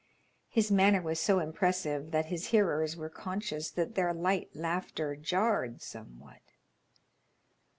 His manner was so impressive that his hearers were conscious that their light laughter jarred somewhat.